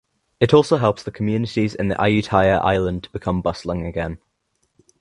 It also helps the communities in the Ayutthaya Island to become bustling again.